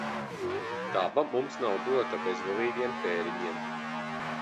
Daba mums nav dota bezgalīgiem tēriņiem.